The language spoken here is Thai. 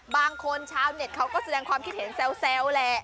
บางคนชาวเน็ตเขาก็แสดงความคิดเห็นแซวแหละ